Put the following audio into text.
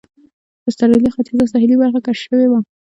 د اسټرالیا ختیځه ساحلي برخه کشف شوې وه.